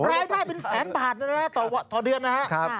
รายได้เป็นแสนบาทต่อเดือนนะครับ